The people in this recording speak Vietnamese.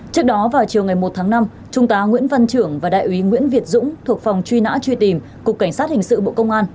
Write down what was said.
trước đó vào chiều ngày một tháng năm trung tá nguyễn văn trưởng và đại úy nguyễn việt dũng thuộc phòng truy nã truy tìm cục cảnh sát hình sự bộ công an